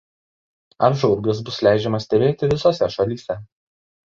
Apžvalgas bus leidžiama stebėti visose šalyse.